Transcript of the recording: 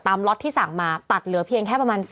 ล็อตที่สั่งมาตัดเหลือเพียงแค่ประมาณ